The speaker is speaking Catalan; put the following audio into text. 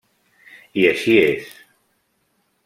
I així és.